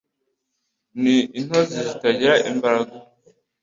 Ni intozi zitagira imbaraga